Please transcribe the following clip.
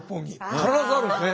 必ずあるんですね。